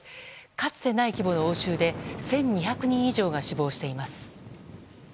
かつてない規模の応酬で１２００人以上が死亡しています。